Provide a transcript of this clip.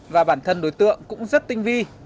và bản thân đối tượng cũng rất tinh vi